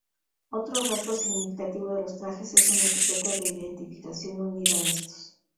Otro rasgo significativo de los trajes es una etiqueta de identificación unida a estos.